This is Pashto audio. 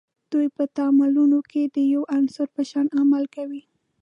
دوی په تعاملونو کې د یوه عنصر په شان عمل کوي.